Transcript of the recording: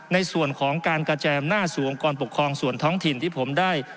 ในส่วนของการกระแจมหน้าสูงก่อนปกครองส่วนท้องถิ่นที่ผมได้